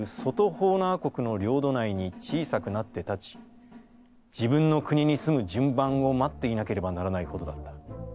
ホーナー国の領土内に小さくなって立ち、自分の国に住む順番を待っていなければならないほどだった。